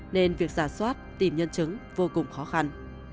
nên việc giả soát tìm nhân chứng vô cùng khó khăn